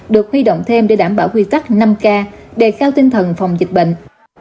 được huy động thêm để đảm bảo quy tắc năm k để cao tinh thần phòng dịch bệnh